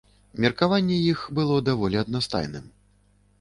Меркаванне іх было даволі аднастайным.